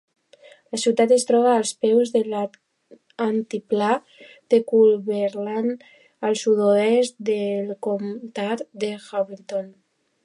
La ciutat es troba als peus de l'altiplà de Cumberland, al sud-oest del comtat de Hamilton.